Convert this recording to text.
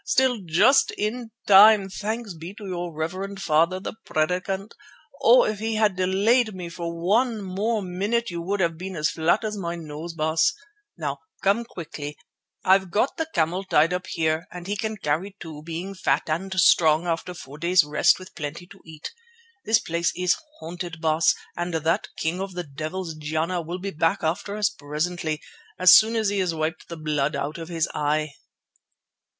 Still, just in time, thanks be to your reverend father, the Predikant. Oh! if he had delayed me for one more minute you would have been as flat as my nose, Baas. Now come quickly. I've got the camel tied up there, and he can carry two, being fat and strong after four days' rest with plenty to eat. This place is haunted, Baas, and that king of the devils, Jana, will be back after us presently, as soon as he has wiped the blood out of his eye."